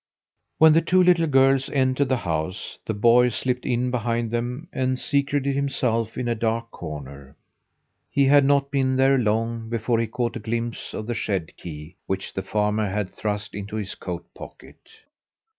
When the two little girls entered the house the boy slipped in behind them and secreted himself in a dark corner. He had not been there long before he caught a glimpse of the shed key, which the farmer had thrust into his coat pocket.